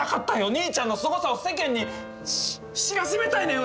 兄ちゃんのすごさを世間に知らしめたいのよ